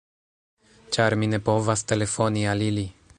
Ĉar mi ne povas telefoni al ili.